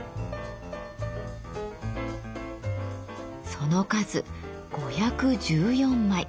その数５１４枚。